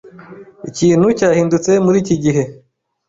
Ikintu cyahindutse muriki gihe.